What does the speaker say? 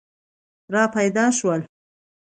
را پیدا شول.